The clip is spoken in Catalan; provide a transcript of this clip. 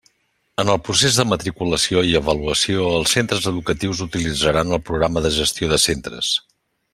En el procés de matriculació i avaluació els centres educatius utilitzaran el Programa de Gestió de Centres.